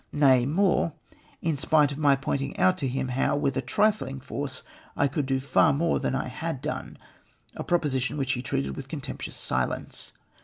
nay, more, in spite of my pointing out to him, how, with a trifling force, I could do far more than I had done — a proposition which he treated Avith contemptuous silence.